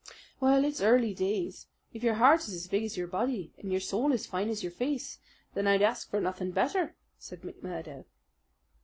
"Well, it's early days. If your heart is as big as your body, and your soul as fine as your face, then I'd ask for nothing better," said McMurdo.